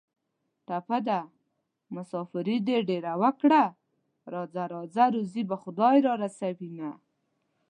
ټپه ده: مسافري دې ډېره وکړه راځه راځه روزي به خدای را رسوینه